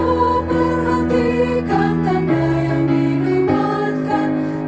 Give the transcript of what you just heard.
oh perhatikan tanda yang dilibatkan